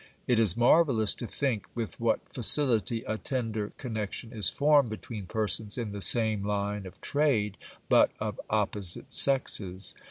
It is marvellous to think with what facility a tender connection is formed between persons in the same line of trade, but of opposite sexes.